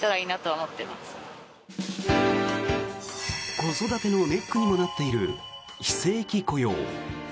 子育てのネックにもなっている非正規雇用。